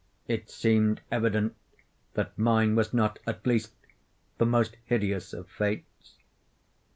It seemed evident that mine was not, at least, the most hideous of fates.